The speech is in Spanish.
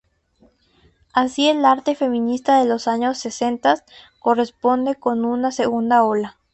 Así el arte feminista de los años sesentas corresponde con una segunda ola.